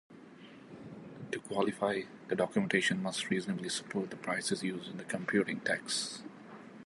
To qualify, the documentation must reasonably support the prices used in computing tax.